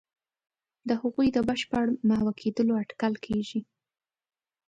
د هغوی د بشپړ محو کېدلو اټکل کېږي.